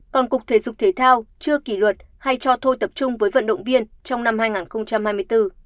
còn cục thể dục thể thao chưa kỳ luật hay cho thôi tập trung với vận động viên trong năm hai nghìn hai mươi bốn